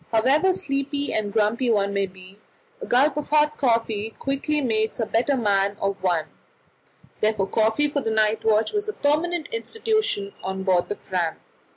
However sleepy and grumpy one may be, a gulp of hot coffee quickly makes a better man of one; therefore coffee for the night watch was a permanent institution on board the Fram.